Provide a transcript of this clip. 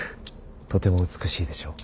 とても美しいでしょう。